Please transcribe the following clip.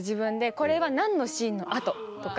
これは何のシーンの後とか。